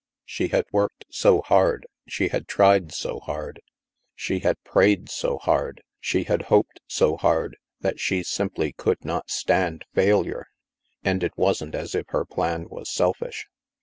She had worked so hard, she had tried so hard, she had prayed so hard, she had hoped so hard, that she simply could not stand failure! And it wasn't as if her plan was selfish.